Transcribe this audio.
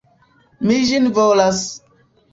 Mi ĝin volas!